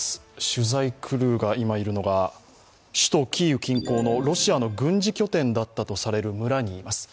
取材クルーが今いるのが首都キーウ近郊のロシアの軍事拠点だったとされる村にいます。